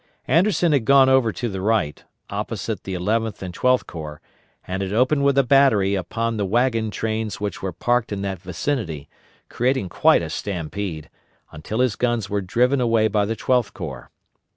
Anderson had gone over to the right, opposite the Eleventh and Twelfth Corps, and had opened with a battery upon the wagon trains which were parked in that vicinity, creating quite a stampede, until his guns were driven away by the Twelfth Corps.